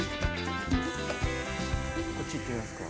こっち行ってみますか。